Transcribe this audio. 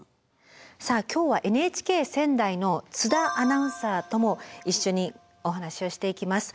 さあ今日はＮＨＫ仙台の津田アナウンサーとも一緒にお話をしていきます。